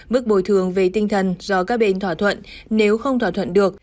mức bồi thường về tinh thần do các bên thỏa thuận nếu không thỏa thuận được